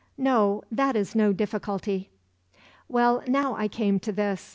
No; that is no difficulty. "Well, now I came to this.